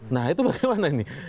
nah itu bagaimana ini